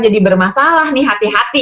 jadi bermasalah hati hati